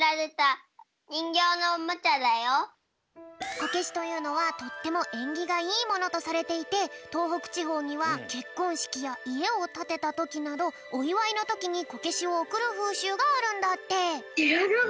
こけしというのはとってもえんぎがいいものとされていてとうほくちほうにはけっこんしきやいえをたてたときなどおいわいのときにこけしをおくるふうしゅうがあるんだって。